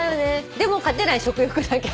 でも勝てない「食欲の秋」に。